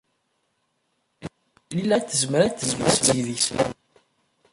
Lila u Saɛid tezmer ad teg deg-s laman.